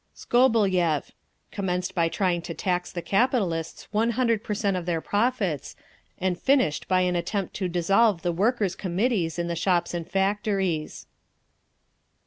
Skobeliev: commenced by trying to tax the capitalists 100% of their profits, and finished—and finished by an attempt to dissolve the Workers' Committees in the shops and factories.